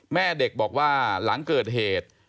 แม่เด็กบอกว่าหลังเกิดเหตุ